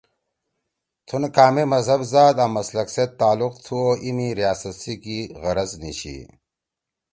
تُھون کامے مذہب، زات آں مسلک سیت تعلق تھُو او اِیمی ریاست سی کی غرَض نیِچھی